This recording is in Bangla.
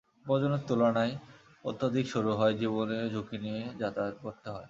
প্রয়োজনের তুলানায় অত্যাধিক সরু হওয়ায় জীবনের ঝুঁকি নিয়ে যাতায়াত করতে হয়।